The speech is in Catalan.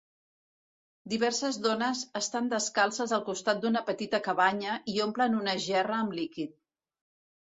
Diverses dones estan descalces al costat d'una petita cabanya i omplen una gerra amb líquid.